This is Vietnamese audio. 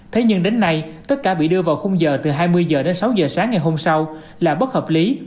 thế nhưng đến nay tất cả bị đưa vào khung giờ từ hai mươi h đến sáu giờ sáng ngày hôm sau là bất hợp lý